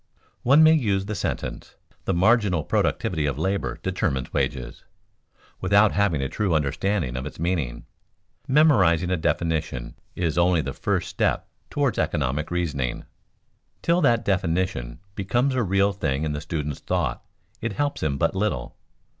_ One may use the sentence, "the marginal productivity of labor determines wages," without having a true understanding of its meaning. Memorizing a definition is only the first step toward economic reasoning. Till that definition becomes a real thing in the student's thought it helps him but little.